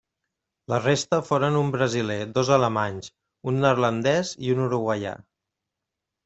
La resta foren un brasiler, dos alemanys, un neerlandès i un uruguaià.